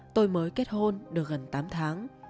tôi mới kết hôn được gần tám tháng